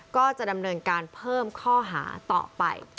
ก็จะดำเนินการเพิ่มข้อหาต่อไป